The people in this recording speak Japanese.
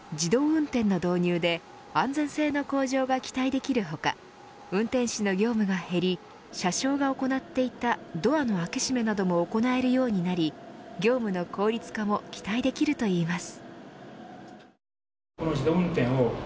自動運転の導入で安全性の向上が期待できる他運転士の業務が減り車掌が行っていたドアの開け閉めなども行えるようになり業務の効率化も期待できるといいます。